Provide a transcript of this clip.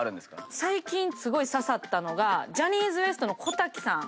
最近すごい刺さったのがジャニーズＷＥＳＴの小瀧さん。